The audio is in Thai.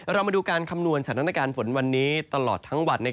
เรามาดูการคำนวณสถานการณ์ฝนวันนี้ตลอดทั้งวัน